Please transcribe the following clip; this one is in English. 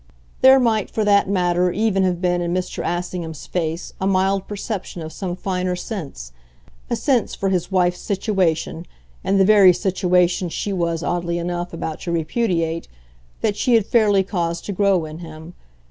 There might, for that matter, even have been in Mr. Assingham's face a mild perception of some finer sense a sense for his wife's situation, and the very situation she was, oddly enough, about to repudiate that she had fairly caused to grow in him.